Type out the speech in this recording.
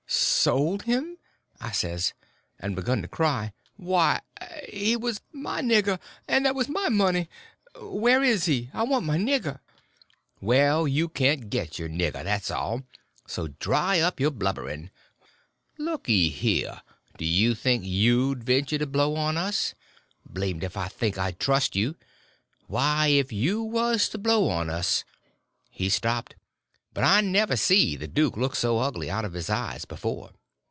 "Sold him?" I says, and begun to cry; "why, he was my nigger, and that was my money. Where is he?—I want my nigger." "Well, you can't get your nigger, that's all—so dry up your blubbering. Looky here—do you think you'd venture to blow on us? Blamed if I think I'd trust you. Why, if you was to blow on us—" He stopped, but I never see the duke look so ugly out of his eyes before.